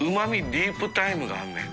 ディープタイムがあるねん。